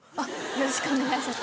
よろしくお願いします。